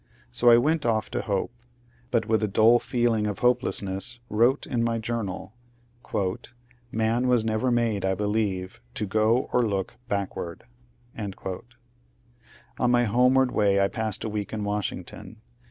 So I went off to hope, but with a dull feeling of hopelessness wrote in my journal, ^^ Man was never made, I believe, to go or look backward." On my homeward way I passed a week in Washington.